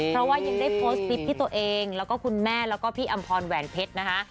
เพราะว่ายังได้โพสต์คลิปที่ตัวเองแล้วก็คุณแม่แล้วก็พี่อำพรแหวนเพชรนะคะ